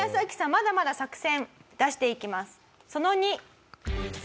まだまだ作戦出していきます。